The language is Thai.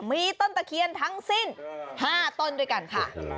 มีต้นตะเคียนทั้งสิ้น๕ต้นด้วยกันค่ะ